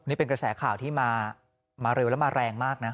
นี่เป็นกระแสข่าวที่มาเร็วแล้วมาแรงมากนะ